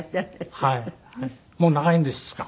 もう長いんですか？